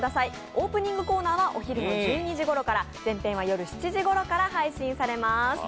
オープニングコーナーはお昼の１２時ごろから、全編は夜７時ごろから配信されます